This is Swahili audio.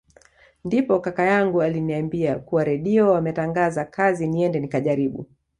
Ndipo kaka yangu aliniambia kuwa Redio wametangaza kazi niende nikajaribu